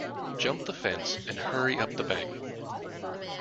Jump the fence and hurry up the bank.